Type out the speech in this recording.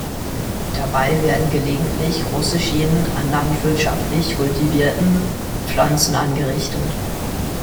Dabei werden gelegentlich große Schäden an landwirtschaftlich kultivierten Pflanzen angerichtet.